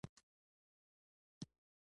• د ورځې لمر د الله لوی نعمت دی.